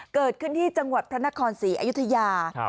เกิดขึ้นที่จังหวัดพระนครศรีอยุธยา